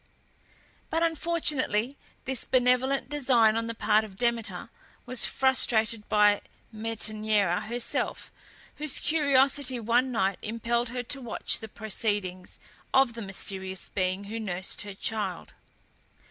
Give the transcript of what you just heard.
But, unfortunately, this benevolent design on the part of Demeter was frustrated by Metaneira herself, whose curiosity, one night, impelled her to watch the proceedings of the mysterious being who nursed her child.